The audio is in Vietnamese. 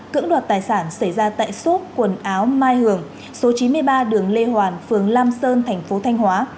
cưỡng đoạt tài sản xảy ra tại xốp quần áo mai hường số chín mươi ba đường lê hoàn phường lam sơn thành phố thanh hóa